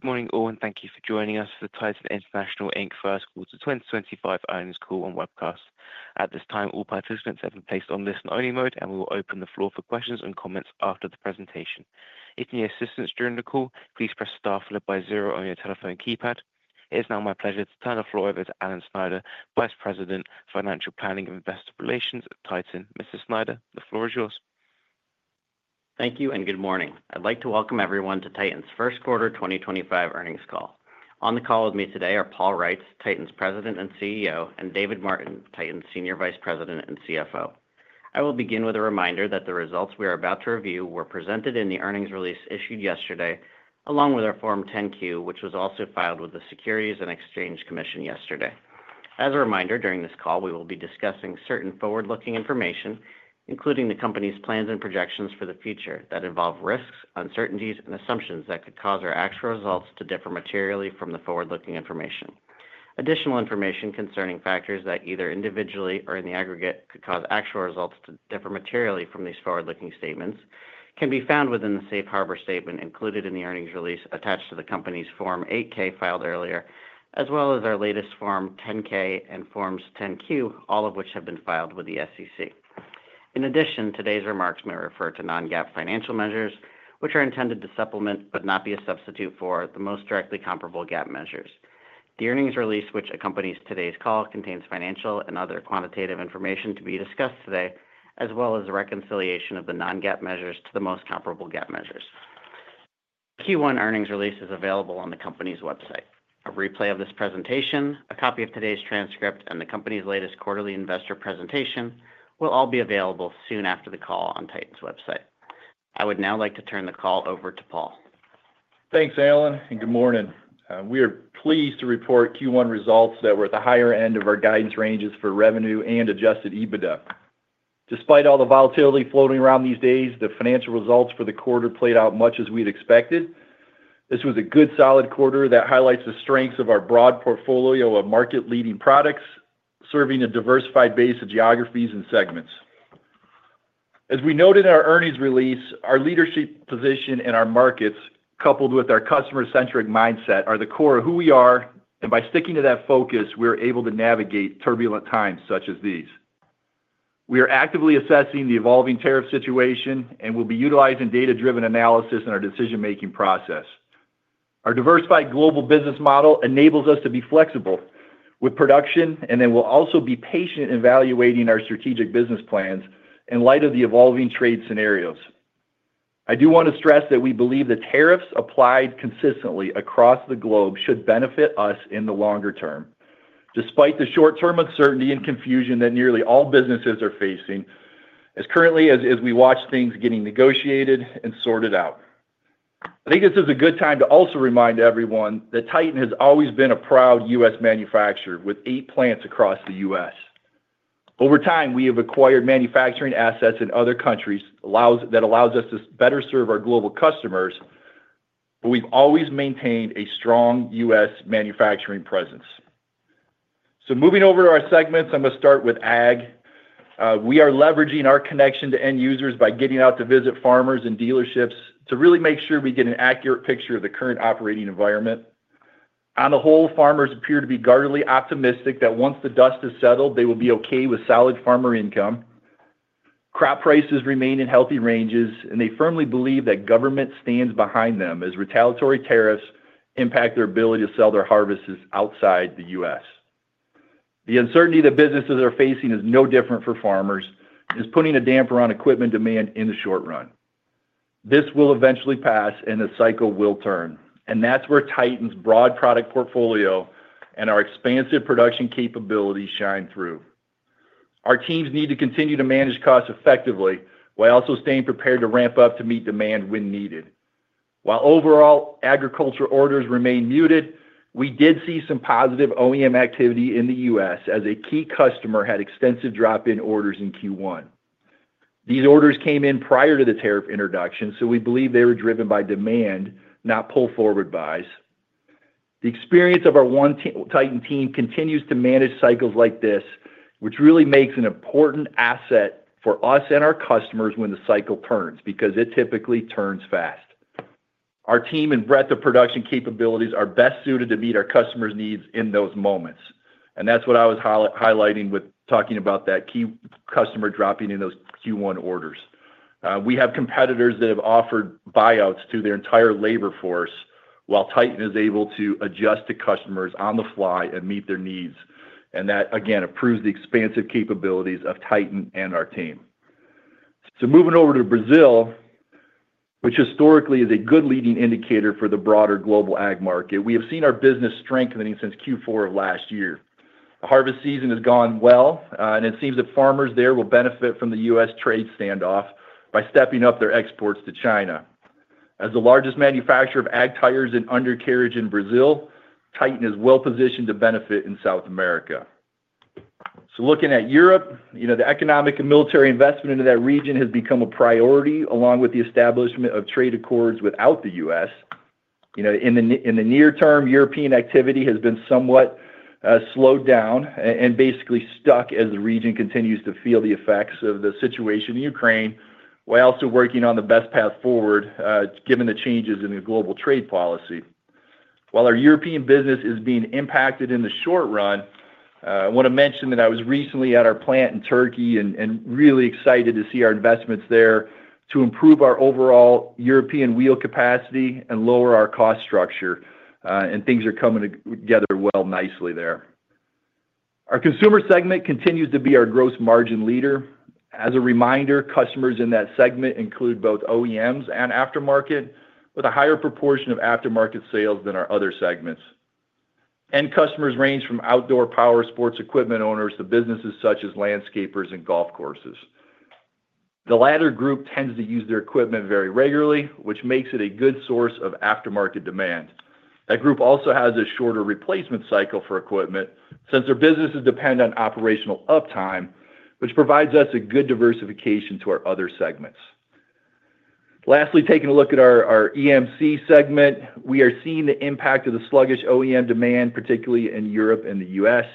Good morning, all, and thank you for joining us for the Titan International Inc First Quarter 2025 Earnings Call and Webcast. At this time, all participants have been placed on listen-only mode, and we will open the floor for questions and comments after the presentation. If you need assistance during the call, please press star followed by zero on your telephone keypad. It is now my pleasure to turn the floor over to Alan Snyder, Vice President, Financial Planning and Investor Relations at Titan. Mr. Snyder, the floor is yours. Thank you, and good morning. I'd like to welcome everyone to Titan's first quarter 2025 earnings call. On the call with me today are Paul Reitz, Titan's President and CEO, and David Martin, Titan's Senior Vice President and CFO. I will begin with a reminder that the results we are about to review were presented in the earnings release issued yesterday, along with our Form 10-Q, which was also filed with the Securities and Exchange Commission yesterday. As a reminder, during this call, we will be discussing certain forward-looking information, including the company's plans and projections for the future that involve risks, uncertainties, and assumptions that could cause our actual results to differ materially from the forward-looking information. Additional information concerning factors that either individually or in the aggregate could cause actual results to differ materially from these forward-looking statements can be found within the safe harbor statement included in the earnings release attached to the company's Form 8-K filed earlier, as well as our latest Form 10-K and Forms 10-Q, all of which have been filed with the SEC. In addition, today's remarks may refer to non-GAAP financial measures, which are intended to supplement but not be a substitute for the most directly comparable GAAP measures. The earnings release, which accompanies today's call, contains financial and other quantitative information to be discussed today, as well as a reconciliation of the non-GAAP measures to the most comparable GAAP measures. Q1 earnings release is available on the company's website. A replay of this presentation, a copy of today's transcript, and the company's latest quarterly investor presentation will all be available soon after the call on Titan's website. I would now like to turn the call over to Paul. Thanks, Alan, and good morning. We are pleased to report Q1 results that were at the higher end of our guidance ranges for revenue and adjusted EBITDA. Despite all the volatility floating around these days, the financial results for the quarter played out much as we had expected. This was a good, solid quarter that highlights the strengths of our broad portfolio of market-leading products, serving a diversified base of geographies and segments. As we noted in our earnings release, our leadership position in our markets, coupled with our customer-centric mindset, are the core of who we are, and by sticking to that focus, we are able to navigate turbulent times such as these. We are actively assessing the evolving tariff situation and will be utilizing data-driven analysis in our decision-making process. Our diversified global business model enables us to be flexible with production, and then we'll also be patient in evaluating our strategic business plans in light of the evolving trade scenarios. I do want to stress that we believe the tariffs applied consistently across the globe should benefit us in the longer term, despite the short-term uncertainty and confusion that nearly all businesses are facing, as currently as we watch things getting negotiated and sorted out. I think this is a good time to also remind everyone that Titan has always been a proud U.S. manufacturer with eight plants across the U.S. Over time, we have acquired manufacturing assets in other countries that allows us to better serve our global customers, but we've always maintained a strong U.S. manufacturing presence. Moving over to our segments, I'm going to start with Ag. We are leveraging our connection to end users by getting out to visit farmers and dealerships to really make sure we get an accurate picture of the current operating environment. On the whole, farmers appear to be guardedly optimistic that once the dust has settled, they will be okay with solid farmer income. Crop prices remain in healthy ranges, and they firmly believe that government stands behind them as retaliatory tariffs impact their ability to sell their harvests outside the U.S. The uncertainty that businesses are facing is no different for farmers. It is putting a damper on equipment demand in the short run. This will eventually pass, and the cycle will turn, and that is where Titan's broad product portfolio and our expansive production capabilities shine through. Our teams need to continue to manage costs effectively while also staying prepared to ramp up to meet demand when needed. While overall agriculture orders remain muted, we did see some positive OEM activity in the U.S. as a key customer had extensive drop-in orders in Q1. These orders came in prior to the tariff introduction, so we believe they were driven by demand, not pull-forward buys. The experience of our One Titan team continues to manage cycles like this, which really makes an important asset for us and our customers when the cycle turns because it typically turns fast. Our team and breadth of production capabilities are best suited to meet our customers' needs in those moments, and that's what I was highlighting with talking about that key customer dropping in those Q1 orders. We have competitors that have offered buyouts to their entire labor force, while Titan is able to adjust to customers on the fly and meet their needs, and that, again, improves the expansive capabilities of Titan and our team. Moving over to Brazil, which historically is a good leading indicator for the broader global Ag market, we have seen our business strengthening since Q4 of last year. The harvest season has gone well, and it seems that farmers there will benefit from the U.S. trade standoff by stepping up their exports to China. As the largest manufacturer of Ag tires and undercarriage in Brazil, Titan is well-positioned to benefit in South America. Looking at Europe, the economic and military investment into that region has become a priority, along with the establishment of trade accords without the U.S. In the near term, European activity has been somewhat slowed down and basically stuck as the region continues to feel the effects of the situation in Ukraine, while also working on the best path forward given the changes in the global trade policy. While our European business is being impacted in the short run, I want to mention that I was recently at our plant in Turkey and really excited to see our investments there to improve our overall European wheel capacity and lower our cost structure, and things are coming together well nicely there. Our Consumer segment continues to be our gross margin leader. As a reminder, customers in that segment include both OEMs and aftermarket, with a higher proportion of aftermarket sales than our other segments. End customers range from outdoor powersports equipment owners to businesses such as landscapers and golf courses. The latter group tends to use their equipment very regularly, which makes it a good source of aftermarket demand. That group also has a shorter replacement cycle for equipment since their businesses depend on operational uptime, which provides us a good diversification to our other segments. Lastly, taking a look at our EMC segment, we are seeing the impact of the sluggish OEM demand, particularly in Europe and the U.S.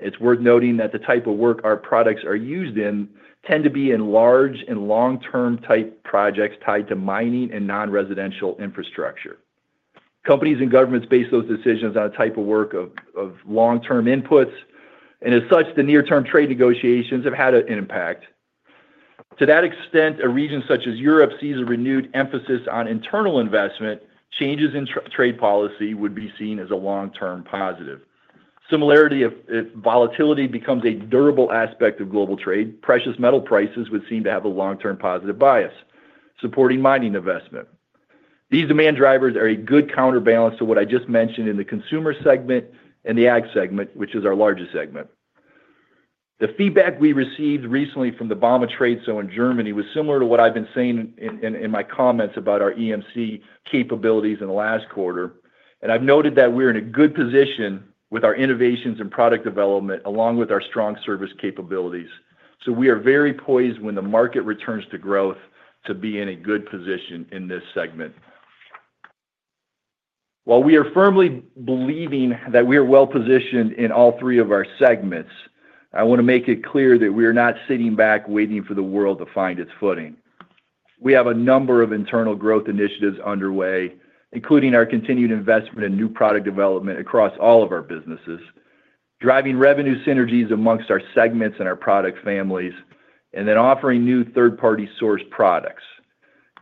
It's worth noting that the type of work our products are used in tend to be in large and long-term type projects tied to mining and non-residential infrastructure. Companies and governments base those decisions on a type of work of long-term inputs, and as such, the near-term trade negotiations have had an impact. To that extent, a region such as Europe sees a renewed emphasis on internal investment; changes in trade policy would be seen as a long-term positive. Similarly, if volatility becomes a durable aspect of global trade, precious metal prices would seem to have a long-term positive bias supporting mining investment. These demand drivers are a good counterbalance to what I just mentioned in the Consumer segment and the Ag segment, which is our largest segment. The feedback we received recently from the Bauma trade show in Germany was similar to what I've been saying in my comments about our EMC capabilities in the last quarter, and I've noted that we're in a good position with our innovations and product development, along with our strong service capabilities. We are very poised when the market returns to growth to be in a good position in this segment. While we are firmly believing that we are well-positioned in all three of our segments, I want to make it clear that we are not sitting back waiting for the world to find its footing. We have a number of internal growth initiatives underway, including our continued investment in new product development across all of our businesses, driving revenue synergies amongst our segments and our product families, and then offering new third-party source products.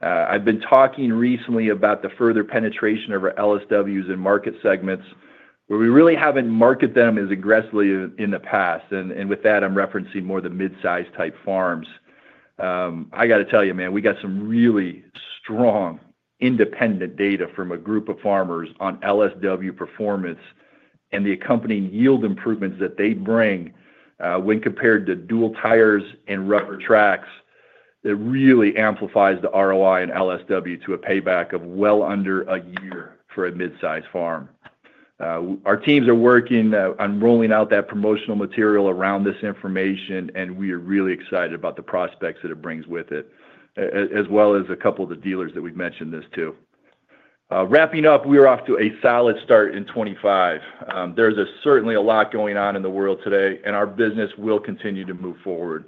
I've been talking recently about the further penetration of our LSWs in market segments where we really haven't marketed them as aggressively in the past, and with that, I'm referencing more the mid-size type farms. I got to tell you, man, we got some really strong independent data from a group of farmers on LSW performance and the accompanying yield improvements that they bring when compared to dual tires and rubber tracks. It really amplifies the ROI in LSW to a payback of well under a year for a mid-size farm. Our teams are working on rolling out that promotional material around this information, and we are really excited about the prospects that it brings with it, as well as a couple of the dealers that we've mentioned this to. Wrapping up, we are off to a solid start in 2025. There's certainly a lot going on in the world today, and our business will continue to move forward.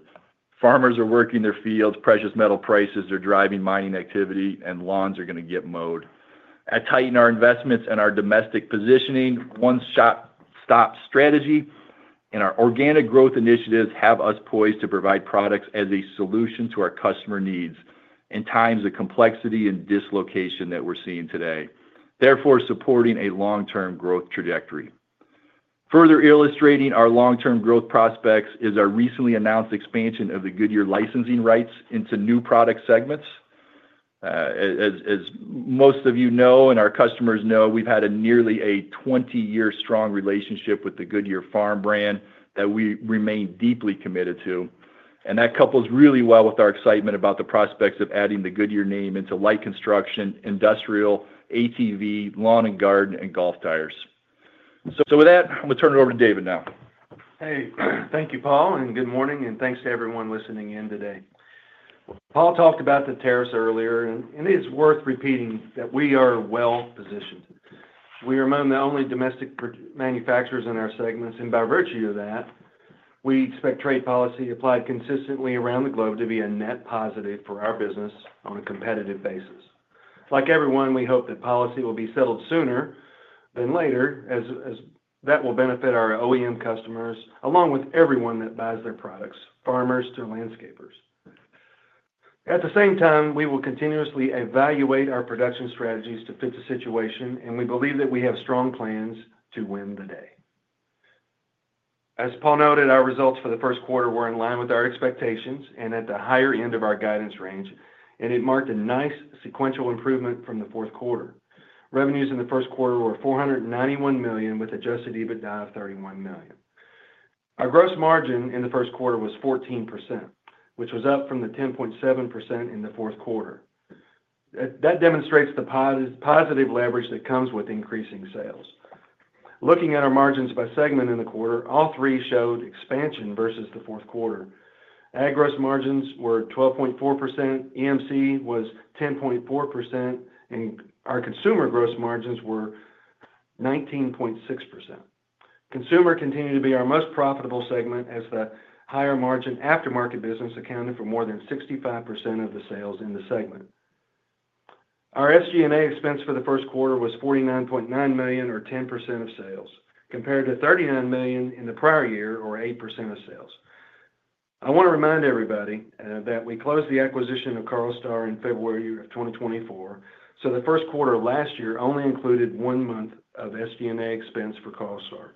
Farmers are working their fields. Precious metal prices are driving mining activity, and lawns are going to get mowed. At Titan, our investments and our domestic positioning, one-stop strategy, and our organic growth initiatives have us poised to provide products as a solution to our customer needs in times of complexity and dislocation that we're seeing today, therefore supporting a long-term growth trajectory. Further illustrating our long-term growth prospects is our recently announced expansion of the Goodyear licensing rights into new product segments. As most of you know and our customers know, we've had nearly a 20-year strong relationship with the Goodyear farm brand that we remain deeply committed to, and that couples really well with our excitement about the prospects of adding the Goodyear name into light construction, industrial, ATV, lawn and garden, and golf tires. With that, I'm going to turn it over to David now. Hey, thank you, Paul, and good morning, and thanks to everyone listening in today. Paul talked about the tariffs earlier, and it's worth repeating that we are well-positioned. We are among the only domestic manufacturers in our segments, and by virtue of that, we expect trade policy applied consistently around the globe to be a net positive for our business on a competitive basis. Like everyone, we hope that policy will be settled sooner than later, as that will benefit our OEM customers along with everyone that buys their products, farmers to landscapers. At the same time, we will continuously evaluate our production strategies to fit the situation, and we believe that we have strong plans to win the day. As Paul noted, our results for the first quarter were in line with our expectations and at the higher end of our guidance range, and it marked a nice sequential improvement from the fourth quarter. Revenues in the first quarter were $491 million with adjusted EBITDA of $31 million. Our gross margin in the first quarter was 14%, which was up from the 10.7% in the fourth quarter. That demonstrates the positive leverage that comes with increasing sales. Looking at our margins by segment in the quarter, all three showed expansion versus the fourth quarter. Ag gross margins were 12.4%, EMC was 10.4%, and our Consumer gross margins were 19.6%. Consumer continued to be our most profitable segment as the higher margin aftermarket business accounted for more than 65% of the sales in the segment. Our SG&A expense for the first quarter was $49.9 million, or 10% of sales, compared to $39 million in the prior year, or 8% of sales. I want to remind everybody that we closed the acquisition of Carlstar in February of 2024, so the first quarter last year only included one month of SG&A expense for Carlstar.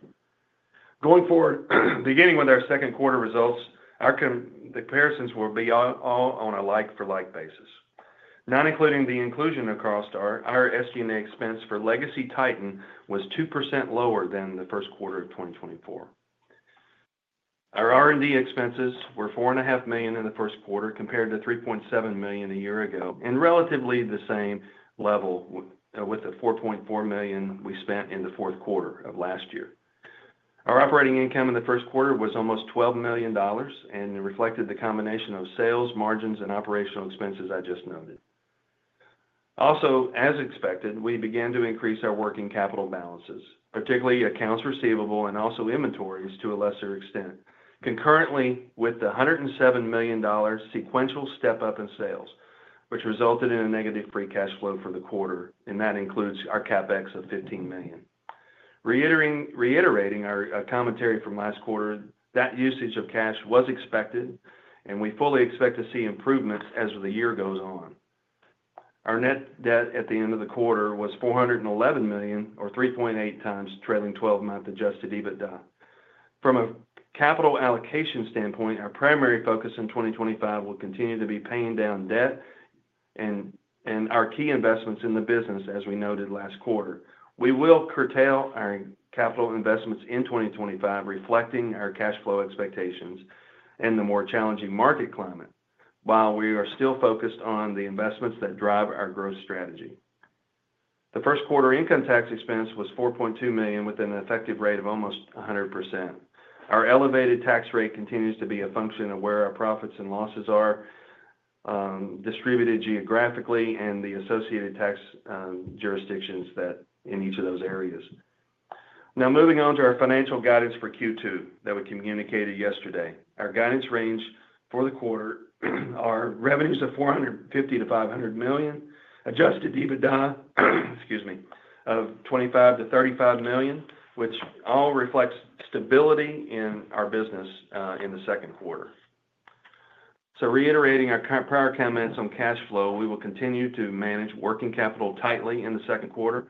Going forward, beginning with our second quarter results, the comparisons will be all on a like-for-like basis. Not including the inclusion of Carlstar, our SG&A expense for Legacy Titan was 2% lower than the first quarter of 2024. Our R&D expenses were $4.5 million in the first quarter compared to $3.7 million a year ago, and relatively the same level with the $4.4 million we spent in the fourth quarter of last year. Our operating income in the first quarter was almost $12 million and reflected the combination of sales, margins, and operational expenses I just noted. Also, as expected, we began to increase our working capital balances, particularly accounts receivable and also inventories to a lesser extent, concurrently with the $107 million sequential step-up in sales, which resulted in a negative free cash flow for the quarter, and that includes our CapEx of $15 million. Reiterating our commentary from last quarter, that usage of cash was expected, and we fully expect to see improvements as the year goes on. Our net debt at the end of the quarter was $411 million, or 3.8x trailing 12-month adjusted EBITDA. From a capital allocation standpoint, our primary focus in 2025 will continue to be paying down debt and our key investments in the business, as we noted last quarter. We will curtail our capital investments in 2025, reflecting our cash flow expectations and the more challenging market climate, while we are still focused on the investments that drive our growth strategy. The first quarter income tax expense was $4.2 million with an effective rate of almost 100%. Our elevated tax rate continues to be a function of where our profits and losses are distributed geographically and the associated tax jurisdictions in each of those areas. Now, moving on to our financial guidance for Q2 that we communicated yesterday. Our guidance range for the quarter is revenues of $450 million-$500 million, adjusted EBITDA, excuse me, of $25 million-$35 million, which all reflects stability in our business in the second quarter. Reiterating our prior comments on cash flow, we will continue to manage working capital tightly in the second quarter,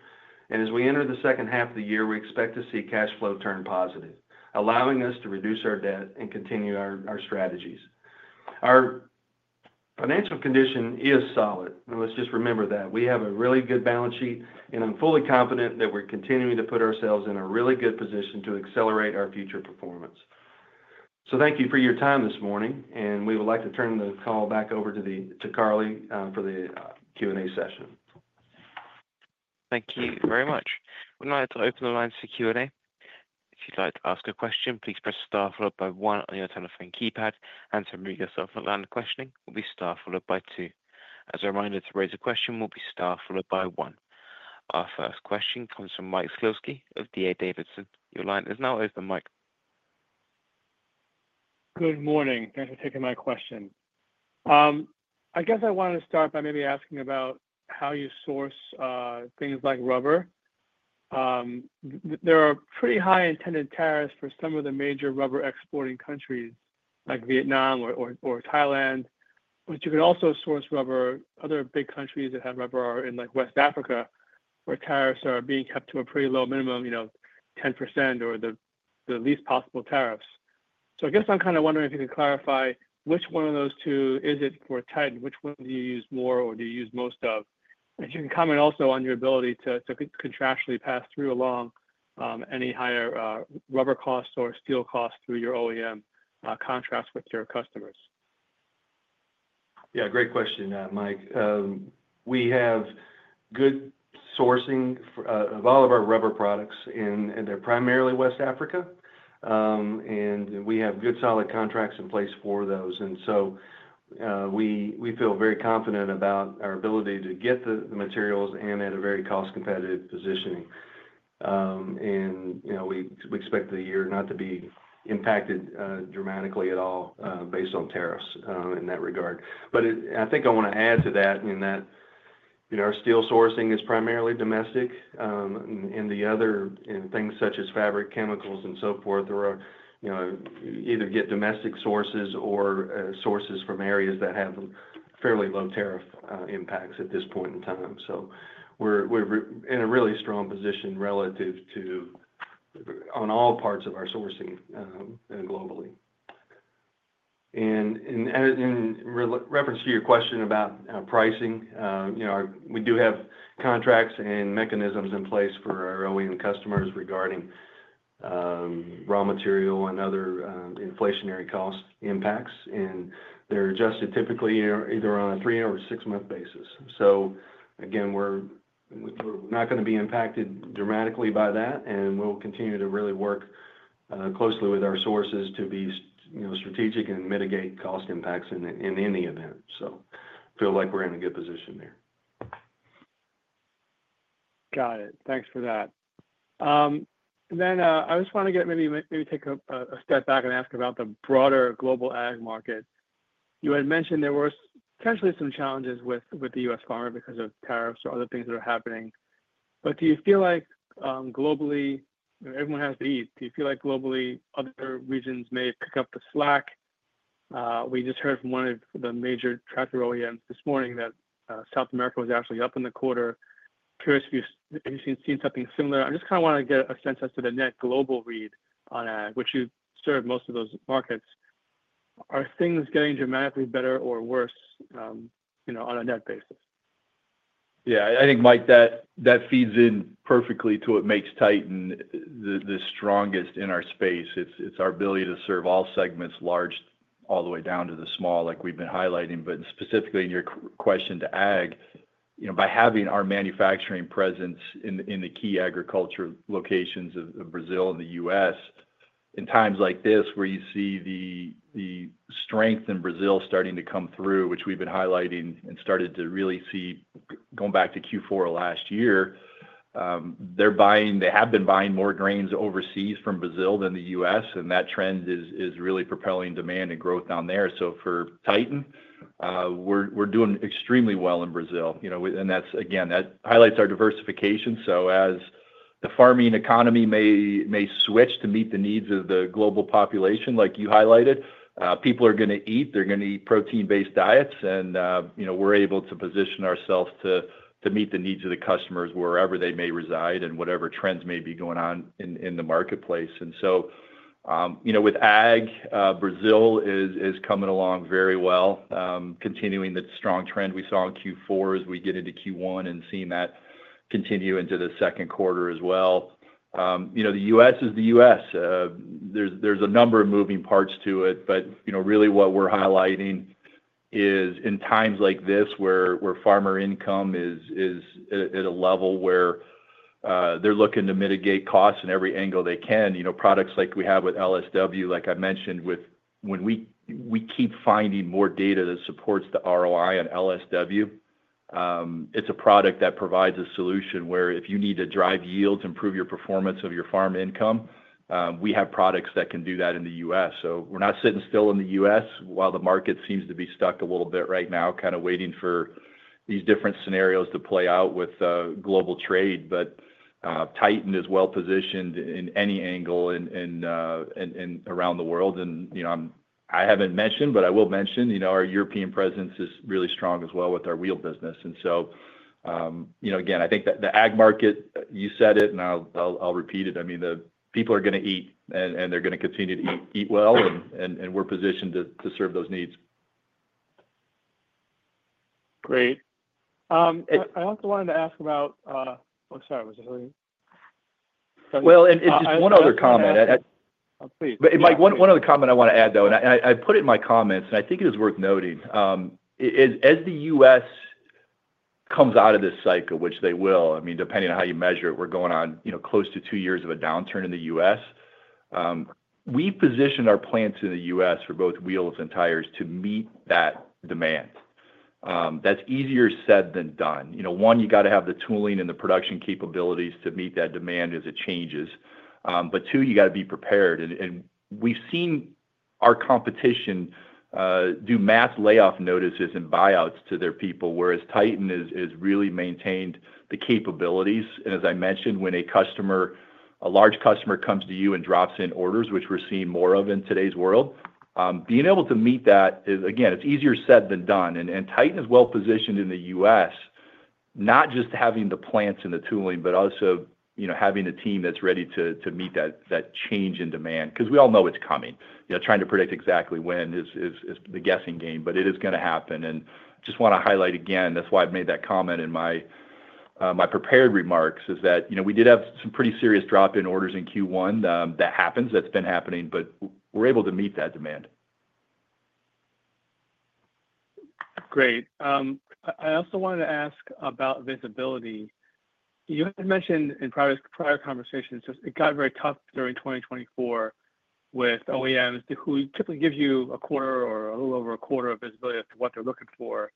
and as we enter the second half of the year, we expect to see cash flow turn positive, allowing us to reduce our debt and continue our strategies. Our financial condition is solid, and let's just remember that. We have a really good balance sheet, and I'm fully confident that we're continuing to put ourselves in a really good position to accelerate our future performance. Thank you for your time this morning, and we would like to turn the call back over to Carly for the Q&A session. Thank you very much. We're now to open the lines for Q&A. If you'd like to ask a question, please press star followed by one on your telephone keypad, and to move yourself online to questioning, will be star followed by two. As a reminder, to raise a question, will be star followed by one. Our first question comes from Mike Shlisky of D.A. Davidson. Your line is now open, Mike. Good morning. Thanks for taking my question. I guess I wanted to start by maybe asking about how you source things like rubber. There are pretty high intended tariffs for some of the major rubber exporting countries like Vietnam or Thailand, but you can also source rubber. Other big countries that have rubber are in West Africa, where tariffs are being kept to a pretty low minimum, you know, 10% or the least possible tariffs. I guess I'm kind of wondering if you could clarify which one of those two is it for Titan. Which one do you use more or do you use most of? You can comment also on your ability to contractually pass through along any higher rubber costs or steel costs through your OEM contracts with your customers. Yeah, great question, Mike. We have good sourcing of all of our rubber products, and they're primarily West Africa, and we have good solid contracts in place for those. We feel very confident about our ability to get the materials and at a very cost-competitive positioning. We expect the year not to be impacted dramatically at all based on tariffs in that regard. I think I want to add to that in that our steel sourcing is primarily domestic, and the other things such as fabric, chemicals, and so forth either get domestic sources or sources from areas that have fairly low tariff impacts at this point in time. We are in a really strong position relative to on all parts of our sourcing globally. In reference to your question about pricing, we do have contracts and mechanisms in place for our OEM customers regarding raw material and other inflationary cost impacts, and they're adjusted typically either on a three or six-month basis. Again, we're not going to be impacted dramatically by that, and we'll continue to really work closely with our sources to be strategic and mitigate cost impacts in any event. I feel like we're in a good position there. Got it. Thanks for that. I just want to maybe take a step back and ask about the broader global Ag market. You had mentioned there were potentially some challenges with the U.S. farmer because of tariffs or other things that are happening. Do you feel like globally, everyone has to eat? Do you feel like globally other regions may pick up the slack? We just heard from one of the major tractor OEMs this morning that South America was actually up in the quarter. Curious if you've seen something similar. I just kind of want to get a sense as to the net global read on Ag, which you serve most of those markets. Are things getting dramatically better or worse on a net basis? Yeah, I think, Mike, that feeds in perfectly to what makes Titan the strongest in our space. It's our ability to serve all segments, large, all the way down to the small, like we've been highlighting. Specifically in your question to Ag, by having our manufacturing presence in the key agriculture locations of Brazil and the U.S., in times like this where you see the strength in Brazil starting to come through, which we've been highlighting and started to really see going back to Q4 last year, they're buying, they have been buying more grains overseas from Brazil than the U.S., and that trend is really propelling demand and growth down there. For Titan, we're doing extremely well in Brazil. That, again, highlights our diversification. As the farming economy may switch to meet the needs of the global population, like you highlighted, people are going to eat. They're going to eat protein-based diets, and we're able to position ourselves to meet the needs of the customers wherever they may reside and whatever trends may be going on in the marketplace. With Ag, Brazil is coming along very well, continuing the strong trend we saw in Q4 as we get into Q1 and seeing that continue into the second quarter as well. The U.S. is the U.S. There's a number of moving parts to it, but really what we're highlighting is in times like this where farmer income is at a level where they're looking to mitigate costs in every angle they can. Products like we have with LSW, like I mentioned, when we keep finding more data that supports the ROI on LSW, it's a product that provides a solution where if you need to drive yields, improve your performance of your farm income, we have products that can do that in the U.S. We are not sitting still in the U.S. while the market seems to be stuck a little bit right now, kind of waiting for these different scenarios to play out with global trade. Titan is well-positioned in any angle and around the world. I have not mentioned, but I will mention our European presence is really strong as well with our wheel business. Again, I think the Ag market, you said it, and I'll repeat it. I mean, the people are going to eat, and they're going to continue to eat well, and we're positioned to serve those needs. Great. I also wanted to ask about, I'm sorry, was it? Just one other comment. Oh, please. Mike, one other comment I want to add, though. I put it in my comments, and I think it is worth noting. As the U.S. comes out of this cycle, which they will, I mean, depending on how you measure it, we're going on close to two years of a downturn in the U.S. We position our plants in the U.S. for both wheels and tires to meet that demand. That is easier said than done. One, you got to have the tooling and the production capabilities to meet that demand as it changes. Two, you got to be prepared. We have seen our competition do mass layoff notices and buyouts to their people, whereas Titan has really maintained the capabilities. As I mentioned, when a customer, a large customer comes to you and drops in orders, which we are seeing more of in today's world, being able to meet that is, again, it is easier said than done. Titan is well-positioned in the U.S., not just having the plants and the tooling, but also having a team that is ready to meet that change in demand. We all know it is coming. Trying to predict exactly when is the guessing game, but it is going to happen. I just want to highlight again, that is why I made that comment in my prepared remarks, that we did have some pretty serious drop in orders in Q1. That happens. That has been happening. We are able to meet that demand. Great. I also wanted to ask about visibility. You had mentioned in prior conversations it got very tough during 2024 with OEMs who typically give you a quarter or a little over a quarter of visibility of what they're looking for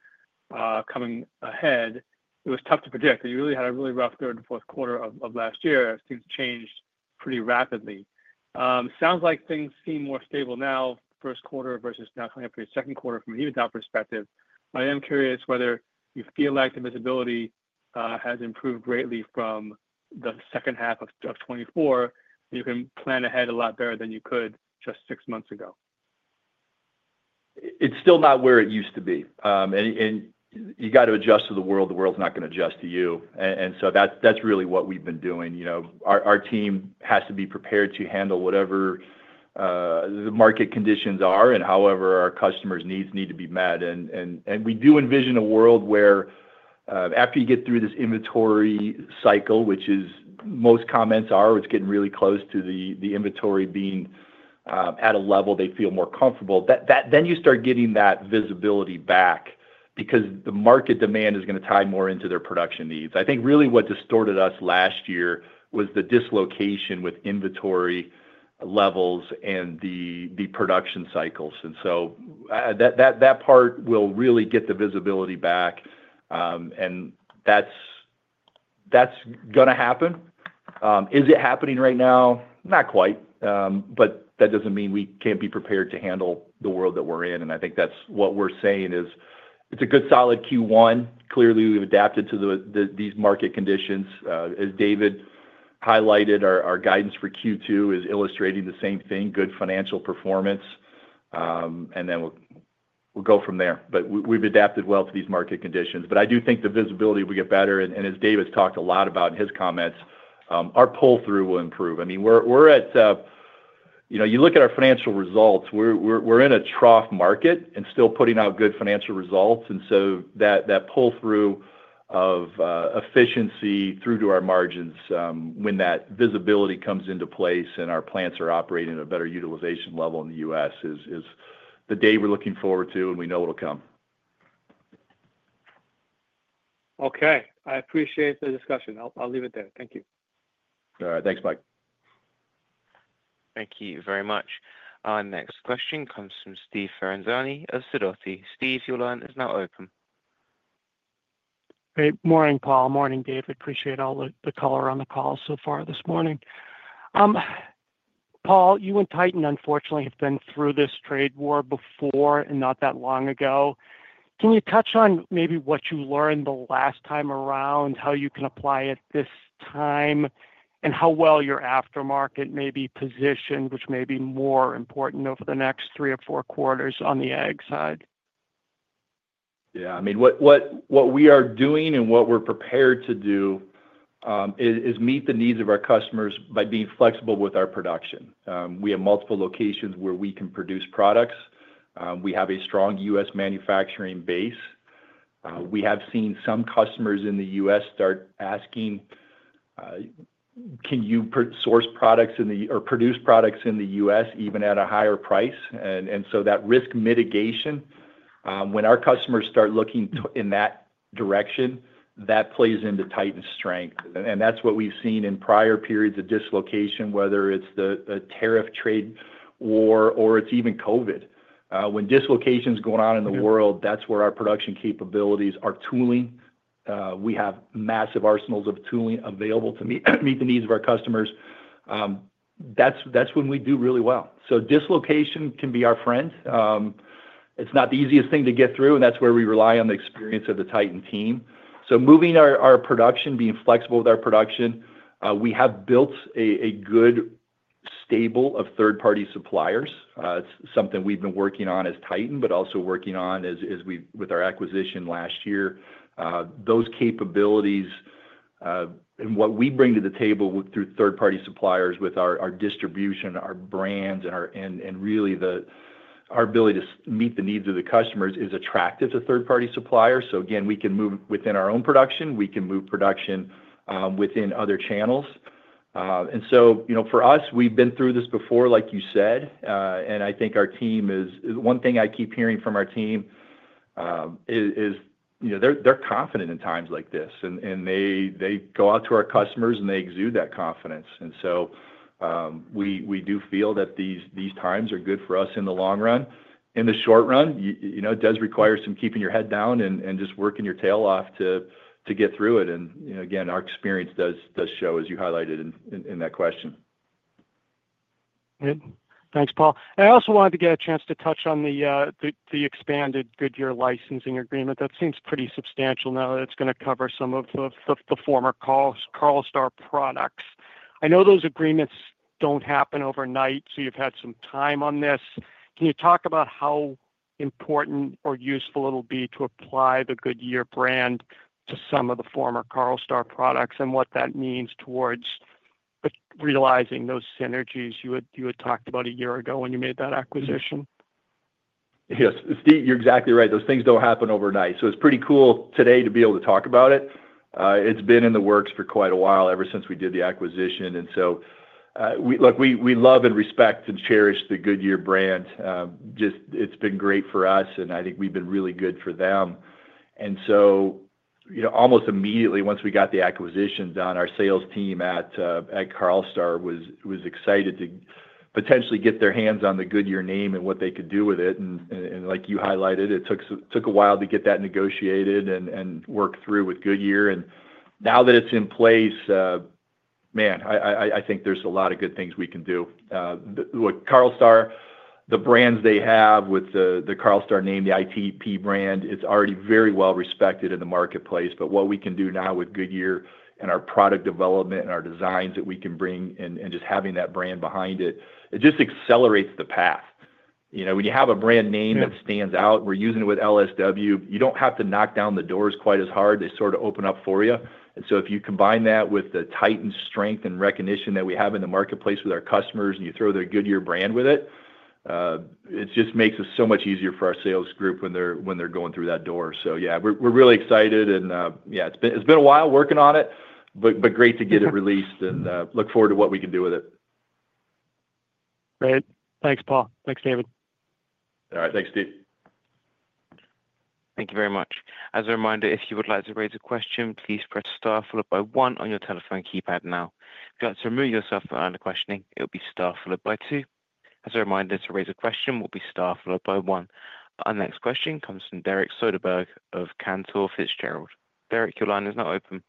coming ahead. It was tough to predict. You really had a really rough third and fourth quarter of last year. It seems changed pretty rapidly. Sounds like things seem more stable now, first quarter versus now coming up to your second quarter from an EBITDA perspective. I am curious whether you feel like the visibility has improved greatly from the second half of 2024, and you can plan ahead a lot better than you could just six months ago. It's still not where it used to be. You got to adjust to the world. The world's not going to adjust to you. That's really what we've been doing. Our team has to be prepared to handle whatever the market conditions are and however our customers' needs need to be met. We do envision a world where after you get through this inventory cycle, which is most comments are, it's getting really close to the inventory being at a level they feel more comfortable, you start getting that visibility back because the market demand is going to tie more into their production needs. I think really what distorted us last year was the dislocation with inventory levels and the production cycles. That part will really get the visibility back, and that's going to happen. Is it happening right now? Not quite. That does not mean we cannot be prepared to handle the world that we are in. I think that is what we are saying: it is a good solid Q1. Clearly, we have adapted to these market conditions. As David highlighted, our guidance for Q2 is illustrating the same thing: good financial performance. We will go from there. We have adapted well to these market conditions. I do think the visibility will get better. As David has talked a lot about in his comments, our pull-through will improve. I mean, when you look at our financial results, we are in a trough market and still putting out good financial results. That pull-through of efficiency through to our margins when that visibility comes into place and our plants are operating at a better utilization level in the U.S. is the day we are looking forward to, and we know it will come. Okay. I appreciate the discussion. I'll leave it there. Thank you. All right. Thanks, Mike. Thank you very much. Our next question comes from Steve Ferazani of Sidoti. Steve, your line is now open. Hey. Morning, Paul. Morning, David. Appreciate all the color on the call so far this morning. Paul, you and Titan, unfortunately, have been through this trade war before and not that long ago. Can you touch on maybe what you learned the last time around, how you can apply it this time, and how well your aftermarket may be positioned, which may be more important over the next three or four quarters on the Ag side? Yeah. I mean, what we are doing and what we're prepared to do is meet the needs of our customers by being flexible with our production. We have multiple locations where we can produce products. We have a strong U.S. manufacturing base. We have seen some customers in the U.S. start asking, "Can you source products or produce products in the U.S. even at a higher price?" That risk mitigation, when our customers start looking in that direction, that plays into Titan's strength. That is what we've seen in prior periods of dislocation, whether it's the tariff trade war or it's even COVID. When dislocation's going on in the world, that's where our production capabilities are tooling. We have massive arsenals of tooling available to meet the needs of our customers. That is when we do really well. Dislocation can be our friend. It's not the easiest thing to get through, and that's where we rely on the experience of the Titan team. Moving our production, being flexible with our production, we have built a good stable of third-party suppliers. It's something we've been working on as Titan, but also working on with our acquisition last year. Those capabilities and what we bring to the table through third-party suppliers with our distribution, our brands, and really our ability to meet the needs of the customers is attractive to third-party suppliers. We can move within our own production. We can move production within other channels. For us, we've been through this before, like you said. I think one thing I keep hearing from our team is they're confident in times like this, and they go out to our customers, and they exude that confidence. We do feel that these times are good for us in the long run. In the short run, it does require some keeping your head down and just working your tail off to get through it. Again, our experience does show, as you highlighted in that question. Good. Thanks, Paul. I also wanted to get a chance to touch on the expanded Goodyear licensing agreement. That seems pretty substantial now that it's going to cover some of the former Carlstar products. I know those agreements don't happen overnight, so you've had some time on this. Can you talk about how important or useful it'll be to apply the Goodyear brand to some of the former Carlstar products and what that means towards realizing those synergies you had talked about a year ago when you made that acquisition? Yes. Steve, you're exactly right. Those things don't happen overnight. It's pretty cool today to be able to talk about it. It's been in the works for quite a while ever since we did the acquisition. We love and respect and cherish the Goodyear brand. It's been great for us, and I think we've been really good for them. Almost immediately, once we got the acquisition done, our sales team at Carlstar was excited to potentially get their hands on the Goodyear name and what they could do with it. Like you highlighted, it took a while to get that negotiated and worked through with Goodyear. Now that it's in place, I think there's a lot of good things we can do. With Carlstar, the brands they have with the Carlstar name, the ITP brand, it's already very well-respected in the marketplace. What we can do now with Goodyear and our product development and our designs that we can bring and just having that brand behind it, it just accelerates the path. When you have a brand name that stands out, we're using it with LSW. You don't have to knock down the doors quite as hard. They sort of open up for you. If you combine that with the Titan strength and recognition that we have in the marketplace with our customers and you throw their Goodyear brand with it, it just makes it so much easier for our sales group when they're going through that door. Yeah, we're really excited. Yeah, it's been a while working on it, but great to get it released and look forward to what we can do with it. Great. Thanks, Paul. Thanks, David. All right. Thanks, Steve. Thank you very much. As a reminder, if you would like to raise a question, please press star followed by one on your telephone keypad now. If you'd like to remove yourself from the line of questioning, it will be star followed by two. As a reminder, to raise a question will be star followed by one. Our next question comes from Derek Soderberg of Cantor Fitzgerald. Derek, your line is now open.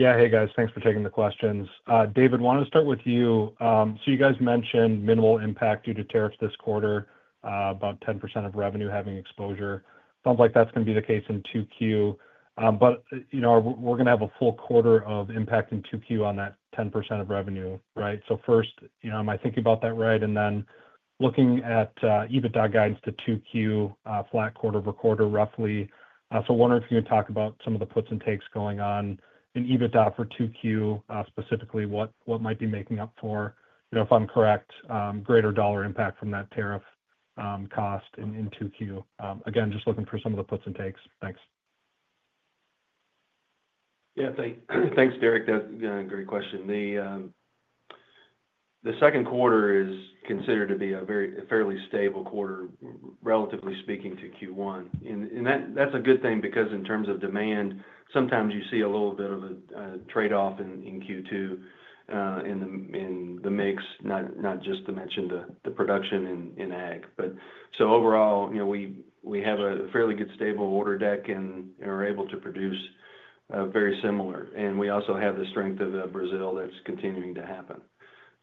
Yeah. Hey, guys. Thanks for taking the questions. David, wanted to start with you. You guys mentioned minimal impact due to tariffs this quarter, about 10% of revenue having exposure. Sounds like that's going to be the case in 2Q. We're going to have a full quarter of impact in 2Q on that 10% of revenue, right? First, am I thinking about that right? Looking at EBITDA guidance to 2Q, flat quarter-over-quarter roughly. Wondering if you can talk about some of the puts and takes going on in EBITDA for 2Q, specifically what might be making up for, if I'm correct, greater dollar impact from that tariff cost in 2Q. Again, just looking for some of the puts and takes. Thanks. Yeah. Thanks, Derek. That's a great question. The second quarter is considered to be a fairly stable quarter, relatively speaking to Q1. That's a good thing because in terms of demand, sometimes you see a little bit of a trade-off in Q2 in the mix, not just to mention the production in Ag. Overall, we have a fairly good stable order deck and are able to produce very similar. We also have the strength of Brazil that's continuing to happen.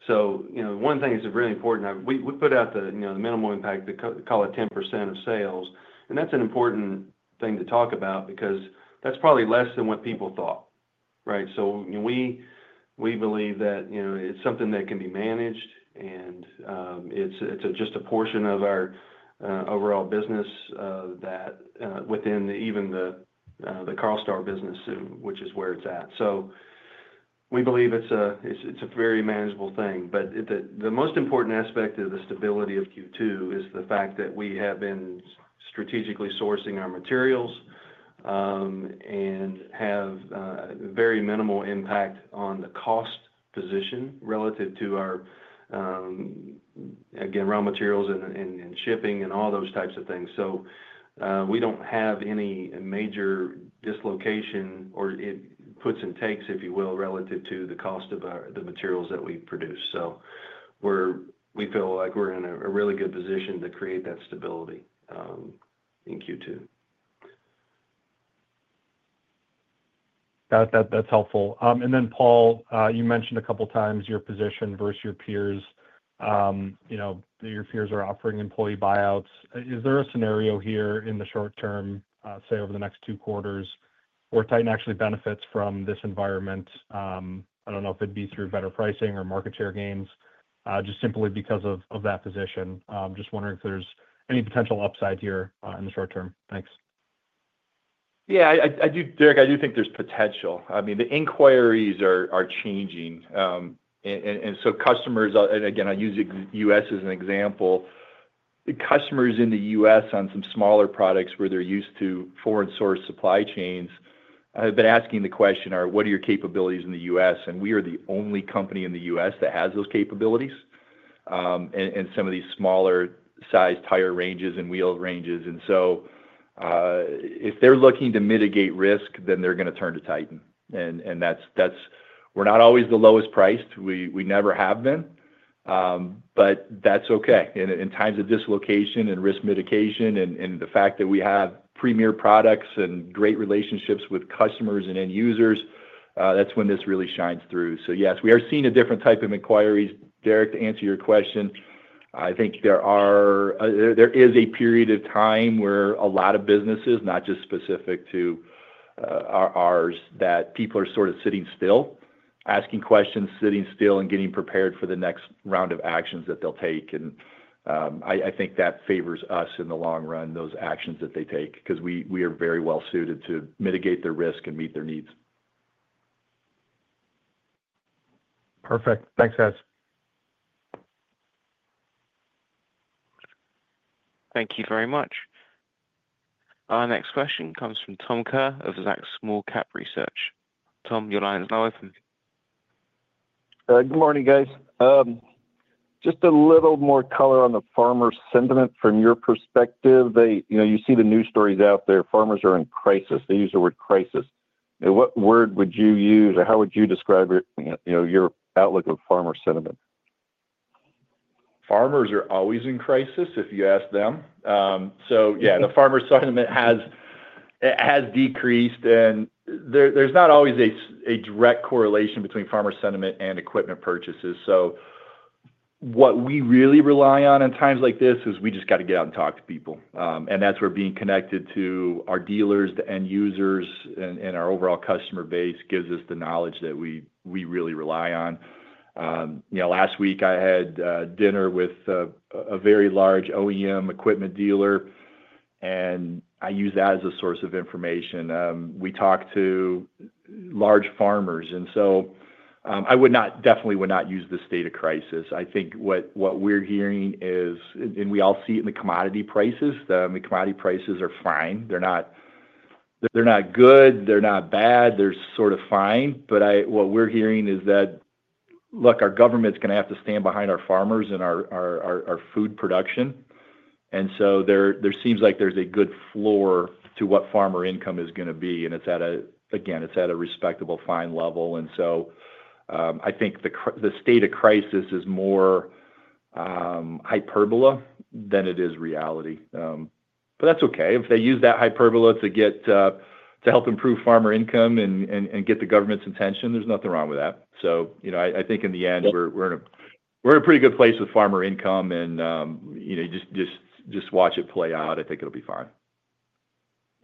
One thing is really important. We put out the minimal impact, call it 10% of sales. That's an important thing to talk about because that's probably less than what people thought, right? We believe that it's something that can be managed, and it's just a portion of our overall business within even the Carlstar business, which is where it's at. We believe it's a very manageable thing. The most important aspect of the stability of Q2 is the fact that we have been strategically sourcing our materials and have very minimal impact on the cost position relative to our, again, raw materials and shipping and all those types of things. We do not have any major dislocation or puts and takes, if you will, relative to the cost of the materials that we produce. We feel like we're in a really good position to create that stability in Q2. That's helpful. Paul, you mentioned a couple of times your position versus your peers, that your peers are offering employee buyouts. Is there a scenario here in the short term, say, over the next two quarters, where Titan actually benefits from this environment? I don't know if it'd be through better pricing or market share gains, just simply because of that position. Just wondering if there's any potential upside here in the short term. Thanks. Yeah. Derek, I do think there's potential. I mean, the inquiries are changing. Customers—and again, I use the U.S. as an example—customers in the U.S. on some smaller products where they're used to foreign-sourced supply chains have been asking the question, "What are your capabilities in the U.S.?" We are the only company in the U.S. that has those capabilities in some of these smaller-sized tire ranges and wheel ranges. If they're looking to mitigate risk, then they're going to turn to Titan. We're not always the lowest priced. We never have been. That's okay. In times of dislocation and risk mitigation and the fact that we have premier products and great relationships with customers and end users, that's when this really shines through. Yes, we are seeing a different type of inquiries. Derek, to answer your question, I think there is a period of time where a lot of businesses, not just specific to ours, that people are sort of sitting still, asking questions, sitting still, and getting prepared for the next round of actions that they'll take. I think that favors us in the long run, those actions that they take, because we are very well-suited to mitigate their risk and meet their needs. Perfect. Thanks, guys. Thank you very much. Our next question comes from Tom Kerr of Zacks Small Cap Research. Tom, your line is now open. Good morning, guys. Just a little more color on the farmers' sentiment. From your perspective, you see the news stories out there. Farmers are in crisis. They use the word crisis. What word would you use or how would you describe your outlook of farmer sentiment? Farmers are always in crisis, if you ask them. Yeah, the farmer sentiment has decreased. There is not always a direct correlation between farmer sentiment and equipment purchases. What we really rely on in times like this is we just got to get out and talk to people. That is where being connected to our dealers, the end users, and our overall customer base gives us the knowledge that we really rely on. Last week, I had dinner with a very large OEM equipment dealer, and I used that as a source of information. We talked to large farmers. I definitely would not use this data crisis. I think what we are hearing is—we all see it in the commodity prices—the commodity prices are fine. They are not good. They are not bad. They are sort of fine. What we're hearing is that, look, our government's going to have to stand behind our farmers and our food production. There seems like there's a good floor to what farmer income is going to be. Again, it's at a respectable fine level. I think the state of crisis is more hyperbola than it is reality. That's okay. If they use that hyperbola to help improve farmer income and get the government's attention, there's nothing wrong with that. I think in the end, we're in a pretty good place with farmer income. Just watch it play out. I think it'll be fine.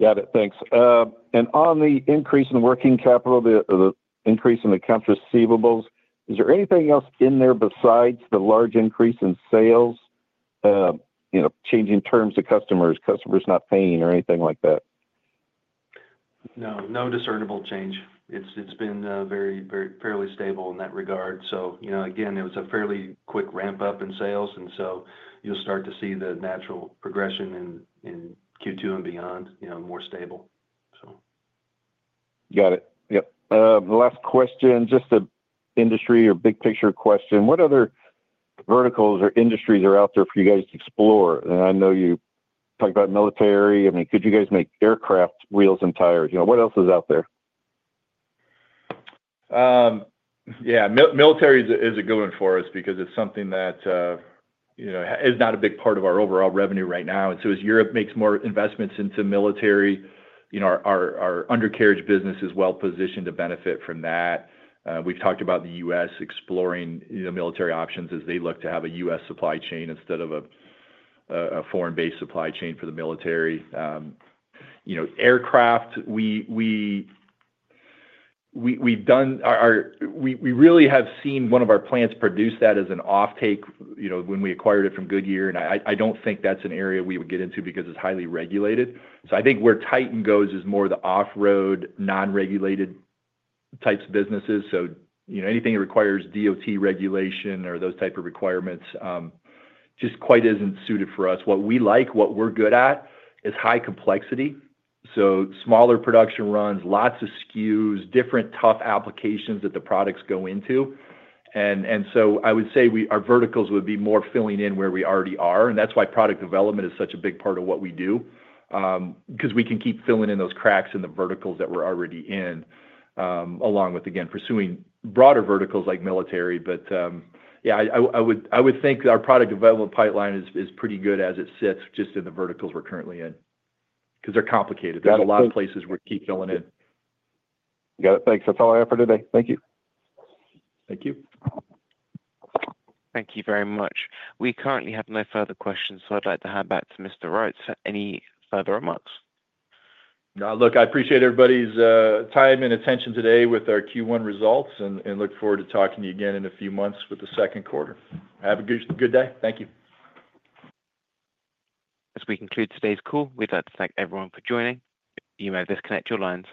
Got it. Thanks. On the increase in working capital, the increase in the counter receivables, is there anything else in there besides the large increase in sales, changing terms to customers, customers not paying, or anything like that? No. No discernible change. It has been fairly stable in that regard. It was a fairly quick ramp-up in sales. You will start to see the natural progression in Q2 and beyond, more stable. Got it. Yep. Last question, just an industry or big-picture question. What other verticals or industries are out there for you guys to explore? I know you talked about military. I mean, could you guys make aircraft wheels and tires? What else is out there? Yeah. Military is a good one for us because it's something that is not a big part of our overall revenue right now. As Europe makes more investments into military, our undercarriage business is well-positioned to benefit from that. We've talked about the U.S. exploring military options as they look to have a U.S. supply chain instead of a foreign-based supply chain for the military. Aircraft, we really have seen one of our plants produce that as an off-take when we acquired it from Goodyear. I don't think that's an area we would get into because it's highly regulated. I think where Titan goes is more the off-road, non-regulated types of businesses. Anything that requires DOT regulation or those types of requirements just quite isn't suited for us. What we like, what we're good at, is high complexity. Smaller production runs, lots of SKUs, different tough applications that the products go into. I would say our verticals would be more filling in where we already are. That is why product development is such a big part of what we do, because we can keep filling in those cracks in the verticals that we are already in, along with, again, pursuing broader verticals like military. Yeah, I would think our product development pipeline is pretty good as it sits just in the verticals we are currently in, because they are complicated. There are a lot of places we keep filling in. Got it. Thanks. That's all I have for today. Thank you. Thank you. Thank you very much. We currently have no further questions, so I'd like to hand back to Mr. Reitz for any further remarks. Look, I appreciate everybody's time and attention today with our Q1 results and look forward to talking to you again in a few months with the second quarter. Have a good day. Thank you. As we conclude today's call, we'd like to thank everyone for joining. You may disconnect your lines.